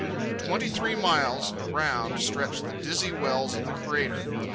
Twenty three miles around stretched the dizzy walls of the crater.